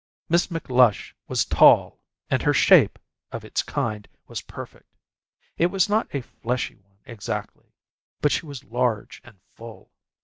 Miss McLush was tall, and her shape, of its kind, was perfect. It was not a fleshy one exactly, but she was large and full.